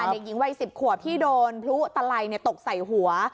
เด็กหญิงวัย๑๐ขวบที่โดนพลุตะไลตกใส่หัว